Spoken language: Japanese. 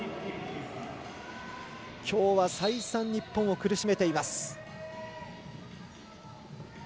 きょうは再三日本を苦しめています。